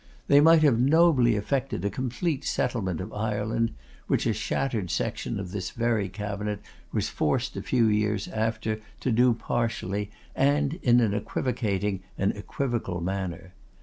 They might have nobly effected a complete settlement of Ireland, which a shattered section of this very cabinet was forced a few years after to do partially, and in an equivocating and equivocal manner.